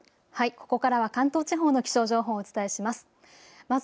ここからは関東地方の気象情報をお伝えします。